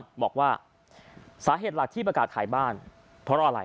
บอกว่าสาเหตุหลักที่ประกาศขายบ้านเพราะอะไร